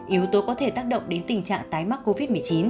yếu tố có thể tác động đến tình trạng tái mắc covid một mươi chín